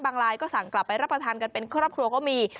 ไลน์ก็สั่งกลับไปรับประทานกันเป็นครอบครัวก็มี